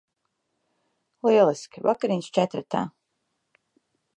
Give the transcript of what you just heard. Lieliski. Vakariņas četratā.